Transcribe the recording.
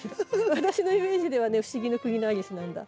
私のイメージではね「不思議の国のアリス」なんだ。